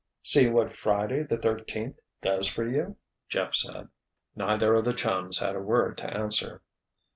"See what Friday, the thirteenth, does for you?" Jeff said. Neither of the chums had a word to answer.